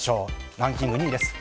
ランキング２位です。